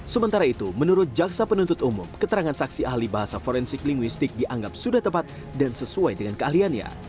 sementara itu menurut jaksa penuntut umum keterangan saksi ahli bahasa forensik linguistik dianggap sudah tepat dan sesuai dengan keahliannya